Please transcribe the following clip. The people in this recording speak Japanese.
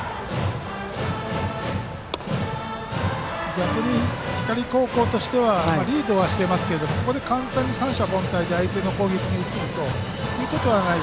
逆に光高校としてはリードはしていますけれどここで簡単に三者凡退で相手の攻撃に移るということはない。